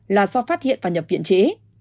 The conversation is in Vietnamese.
là do phát hiện và nhập viện trễ